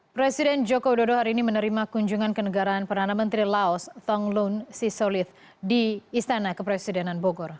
presiden joko widodo hari ini menerima kunjungan ke negaraan perdana menteri laos tong loon sisolid di istana kepresidenan bogor